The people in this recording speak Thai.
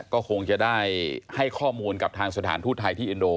ก็คงจะได้ให้ข้อมูลกับทางสถานทูตไทยที่อินโด